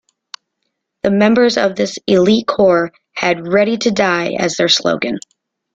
The members of this elite corps had "Ready to Die" as their slogan.